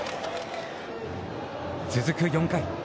続く４回。